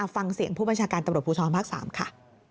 ฟังเสียงผู้บัญชาการตำรวจภูทรภาค๓ค่ะ